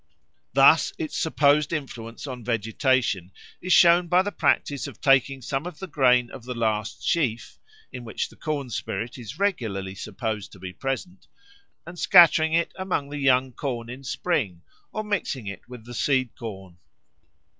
Thus, its supposed influence on vegetation is shown by the practice of taking some of the grain of the last sheaf (in which the corn spirit is regularly supposed to be present), and scattering it among the young corn in spring or mixing it with the seed corn.